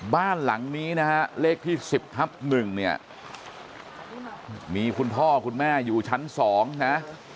บ้านหลังนี้นะฮะเลขที่๑๐ทับ๑เนี่ยมีคุณพ่อคุณแม่อยู่ชั้น๒นะ